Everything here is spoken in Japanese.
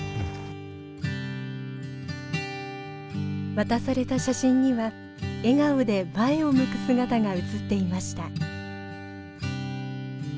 渡された写真には笑顔で前を向く姿が写っていました。